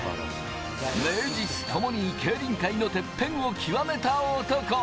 名実ともに競輪界のてっぺんを極めた男。